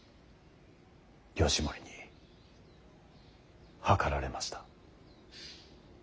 義盛に謀られました。